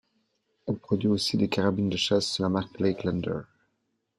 Elle produit aussi des carabines de chasse sous la marque Lakelander.